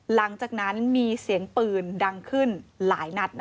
หลังจากนั้นมีเสียงปืนดังขึ้นหลายนัด